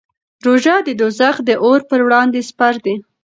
روژه د دوزخ د اور پر وړاندې سپر دی.